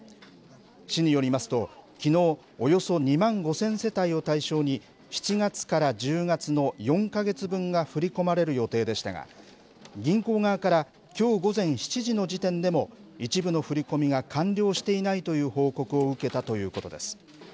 市によりますと、きのう、およそ２万５０００世帯を対象に、７月から１０月の４か月分が振り込まれる予定でしたが、銀行側から、きょう午前７時の時点でも一部の振り込みが完了していないという報告を受けたということです。